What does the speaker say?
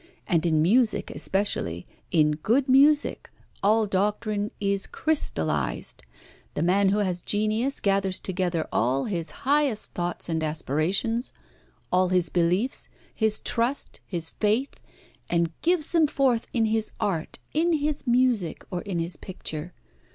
And in music especially in good music all doctrine is crystallised. The man who has genius gathers together all his highest thoughts and aspirations, all his beliefs, his trust, his faith, and gives them forth in his art, in his music, or in his picture.